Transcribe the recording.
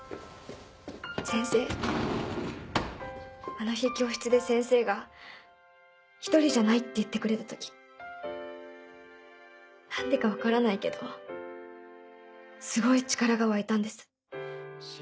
あの日教室で先生が「独りじゃない」って言ってくれた時何でか分からないけどすごい力が湧いたんです。